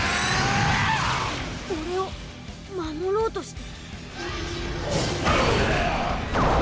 俺を守ろうとして？